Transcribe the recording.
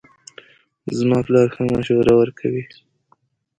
زما پلار ښه مشوره ورکوي